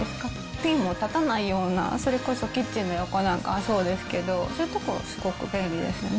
ピンも立たないような、それこそキッチンの横なんかはそうですけど、そういう所にすごく便利ですよね。